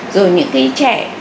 rồi những cái trẻ